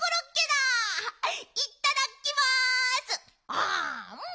あん。